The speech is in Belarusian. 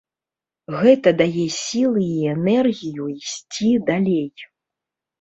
Гэта дае сілы і энергію ісці далей.